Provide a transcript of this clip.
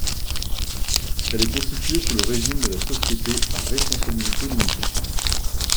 Elle est constituée sous le régime de la société à responsabilité limitée.